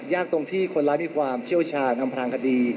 ตรงที่คนร้ายมีความเชี่ยวชาญอำพลางคดี